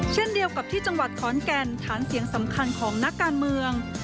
เช่นเดียวกับที่จังหวัดขอนแก่นฐานเสียงสำคัญของนักการเมือง